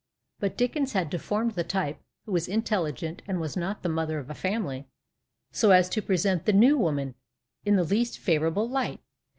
But Dickens had deformed the type (who was intelligent and was not the mother of a family) so as to present the " new woman " in the least favourable light.